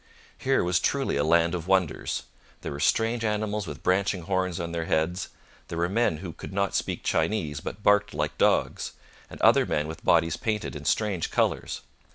Here was truly a land of wonders. There were strange animals with branching horns on their heads, there were men who could not speak Chinese but barked like dogs, and other men with bodies painted in strange colours.